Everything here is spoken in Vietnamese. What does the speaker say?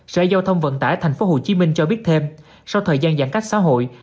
sở giao thông vận tải tp hcm cho biết thêm sau thời gian giãn cách xã hội